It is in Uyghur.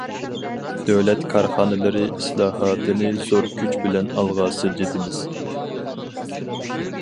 دۆلەت كارخانىلىرى ئىسلاھاتىنى زور كۈچ بىلەن ئالغا سىلجىتىمىز.